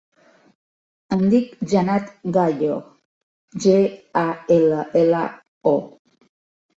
Em dic Jannat Gallo: ge, a, ela, ela, o.